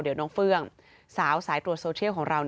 เดี๋ยวน้องเฟื่องสาวสายตรวจโซเชียลของเรา